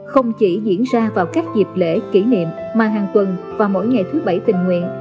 không chỉ diễn ra vào các dịp lễ kỷ niệm mà hàng tuần và mỗi ngày thứ bảy tình nguyện